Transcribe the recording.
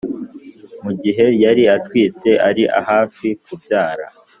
mu gihe yari atwite ari hafi kubyara,